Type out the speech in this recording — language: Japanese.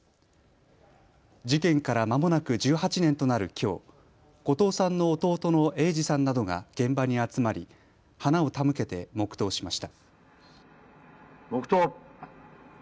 事件からまもなく１８年となるきょう、後藤さんの弟の英二さんなどが現場に集まり花を手向けて黙とうしました。